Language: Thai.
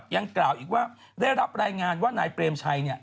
ยังกล่าวอีกว่าได้รับรายงานว่านายเปรมชัยเนี่ย